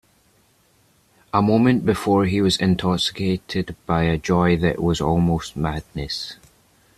A moment before he was intoxicated by a joy that was almost madness.